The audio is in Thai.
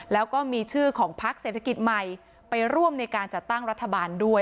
แล้วก็มีชื่อของพักเศรษฐกิจใหม่ไปร่วมในการจัดตั้งรัฐบาลด้วย